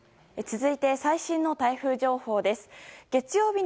続いて、最新の台風情報です。